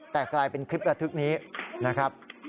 แต่กลายเป็นคลิประทึกนี้นะครับ